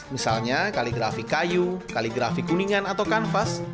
misalnya kaligrafi kayu kaligrafi kuningan atau kanvas